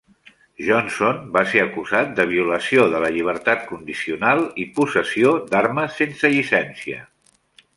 Johnson va ser acusat de violació de la llibertat condicional i possessió d'armes sense llicència.